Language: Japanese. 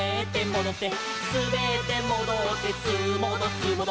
「すべってもどってすーもどすーもど」